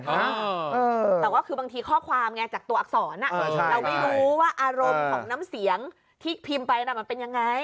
แต่ว่าคือบางทีข้อความไงจากตัวอักษรเราไม่รู้ว่าอารมณ์ของน้ำเสียงที่พิมพ์ไปน่ะมันเป็นยังไง